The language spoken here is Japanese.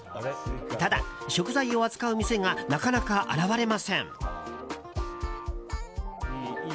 ただ、食材を扱う店がなかなか現れません。